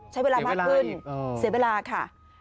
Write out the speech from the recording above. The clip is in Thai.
เสียเวลาอีกเสียเวลาค่ะ